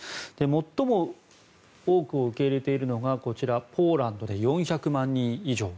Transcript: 最も多くを受けれいているのがこちら、ポーランドで４００万人以上。